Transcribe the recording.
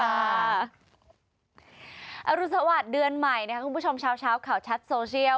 รุสวัสดิ์เดือนใหม่นะครับคุณผู้ชมเช้าข่าวชัดโซเชียล